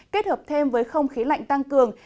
kết hợp thêm với không khí lạnh tăng cường